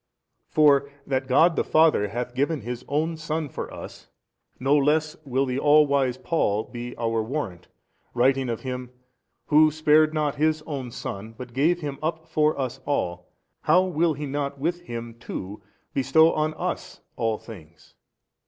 For that God the Father hath given His own Son for us, no less will the all wise Paul be our warrant, writing of . Him, Who spared not His own Son, but gave Him up for us all, how will He not with Him too bestow on us all things?